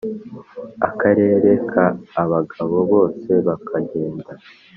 akereka abagabo bose bakagenda